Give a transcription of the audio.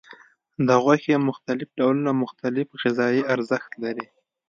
د غوښې مختلف ډولونه مختلف غذایي ارزښت لري.